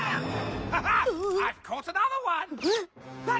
・ハハッ